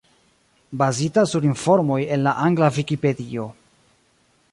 Bazita sur informoj en la angla Vikipedio.